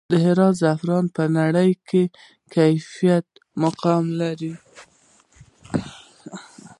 د هرات زعفران په نړۍ کې د کیفیت مقام لري